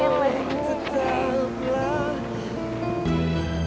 u maladt bukan waw